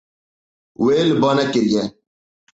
Wê li ba nekiriye.